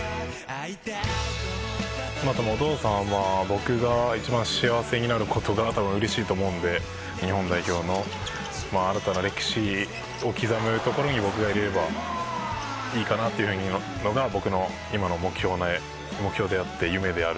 お父さんは僕が一番幸せになる事が多分嬉しいと思うんで日本代表の新たな歴史を刻むところに僕がいればいいかなというのが僕の今の目標であって夢であるんで。